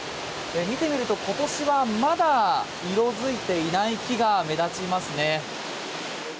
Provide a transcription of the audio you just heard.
見てみると今年はまだ色づいていない木が目立ちますね。